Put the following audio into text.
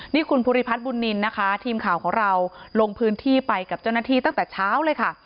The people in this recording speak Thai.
นี่คุณภูริพัฒน์บุญนินนะคะทีมข่าวของเราลงพื้นที่ไปกับเจ้าหน้าที่ตั้งแต่เช้าเลยค่ะ